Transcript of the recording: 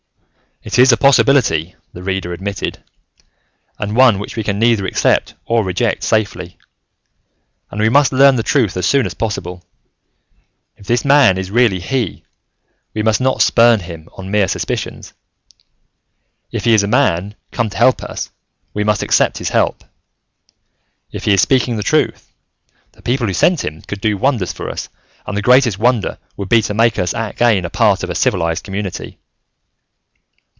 "It is a possibility," the Reader admitted, "and one which we can neither accept or reject safely. And we must learn the truth as soon as possible. If this man is really He, we must not spurn Him on mere suspicion. If he is a man, come to help us, we must accept his help; if he is speaking the truth, the people who sent him could do wonders for us, and the greatest wonder would be to make us again a part of a civilized community.